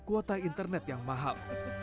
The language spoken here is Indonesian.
kuota internet yang mahal